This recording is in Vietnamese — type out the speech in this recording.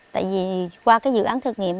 tại vì qua dự án thử nghiệm